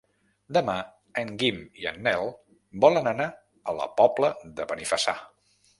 Demà en Guim i en Nel volen anar a la Pobla de Benifassà.